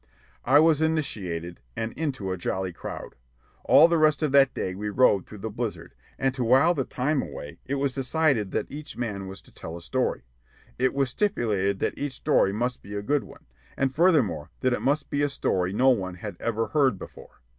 I was initiated, and into a jolly crowd. All the rest of that day we rode through the blizzard, and to while the time away it was decided that each man was to tell a story. It was stipulated that each story must be a good one, and, furthermore, that it must be a story no one had ever heard before.